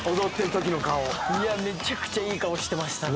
めちゃくちゃいい顔してましたね。